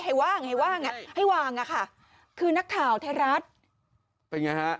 ให้ว่างให้ว่างคือนักข่าวธรรมดิการรัฐ